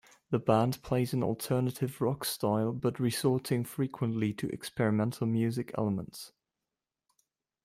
The band plays in alternative rock style, but resorting frequently to experimental music elements.